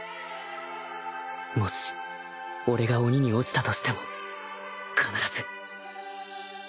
もし俺が鬼に堕ちたとしても必ず